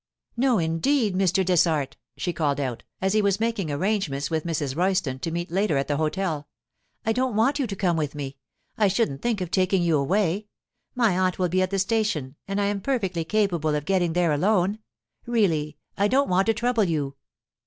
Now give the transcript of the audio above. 'No, indeed, Mr. Dessart,' she called out, as he was making arrangements with Mrs. Royston to meet later at the hotel, 'I don't want you to come with me; I shouldn't think of taking you away. My aunt will be at the station, and I am perfectly capable of getting there alone. Really, I don't want to trouble you.